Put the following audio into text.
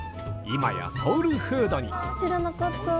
今やソウルフードに。